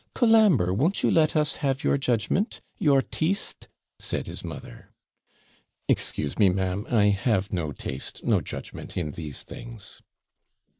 'Colambre, won't you let us have your judgment your TEESTE' said his mother. 'Excuse me, ma'am. I have no taste, no judgment, in these things.'